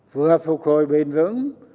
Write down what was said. vừa phục hồi bền vững